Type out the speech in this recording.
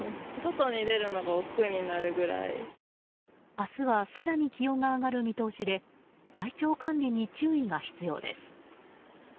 明日は更に気温が上がる見通しで体調管理に注意が必要です。